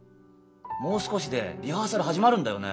もう少しでリハーサル始まるんだよね？